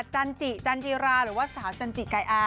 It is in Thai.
จันจิจันจิราหรือว่าสาวจันจิกายอา